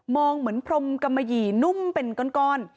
เหมือนพรมกำมะหยี่นุ่มเป็นก้อน